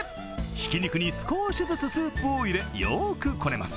ひき肉に少しずつスープを入れよくこねます。